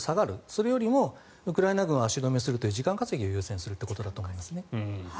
それよりもウクライナ軍を足止めするという時間稼ぎを優先するということだと思います。